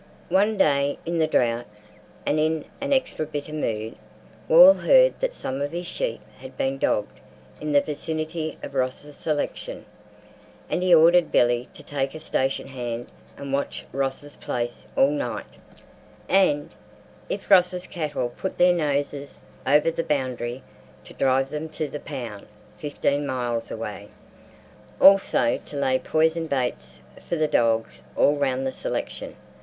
One day in the drought, and in an extra bitter mood, Wall heard that some of his sheep had been dogged in the vicinity of Ross's selection, and he ordered Billy to take a station hand and watch Ross's place all night, and, if Ross's cattle put their noses over the boundary, to drive them to the pound, fifteen miles away; also to lay poisoned baits for the dogs all round the selection.